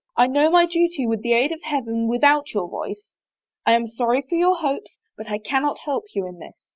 I know my duty with the aid of Heaven with out your voice. I am sorry for your hopes but I cannot help you in this."